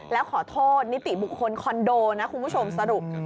แล้วขอโทษนิติบุคคลคอนโดนะคุณผู้ชมสรุป